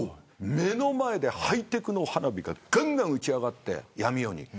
目の前でハイテクの花火ががんがん打ち上がって闇夜に。